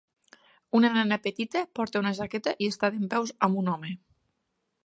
Una nena petita porta una jaqueta i està dempeus amb un home.